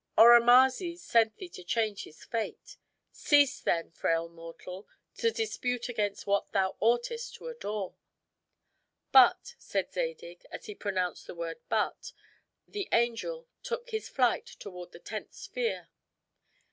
Oromazes sent thee to change his fate. Cease, then, frail mortal, to dispute against what thou oughtest to adore." "But," said Zadig as he pronounced the word "But," the angel took his flight toward the tenth sphere.